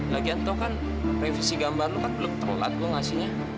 lagian tau kan revisi gambar lo kan belum terulat gue ngasihnya